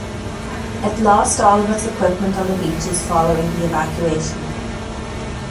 It lost all of its equipment on the beaches following the evacuation.